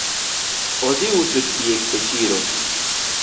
Odhi uso diek e chiro